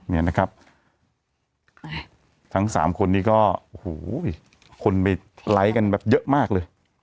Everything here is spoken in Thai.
นี่นะครับทั้ง๓คนนี้ก็คนไปไลก์กันแบบเยอะมากเลย